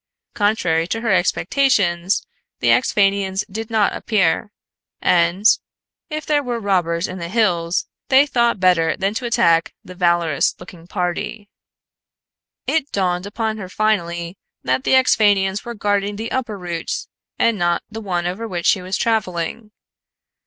Contrary to her expectations, the Axphainians did not appear, and if there were robbers in the hills they thought better than to attack the valorous looking party. It dawned upon her finally that the Axphainians were guarding the upper route and not the one over which she was traveling.